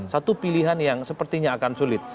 satu pilihan yang sepertinya akan sulit